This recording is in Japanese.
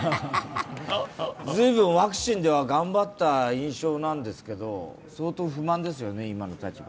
随分、ワクチンでは頑張った印象なんですけど相当不満ですよね、今の立場。